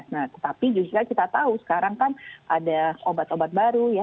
nah tetapi juga kita tahu sekarang kan ada obat obat baru ya